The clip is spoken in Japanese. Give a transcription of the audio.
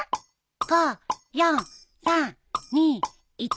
５４３２１。